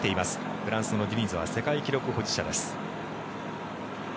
フランスのディニズは世界記録保持者です。